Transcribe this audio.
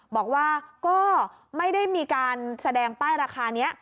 บอกว่าก็ไม่ได้มีการแสดงป้ายราคานี้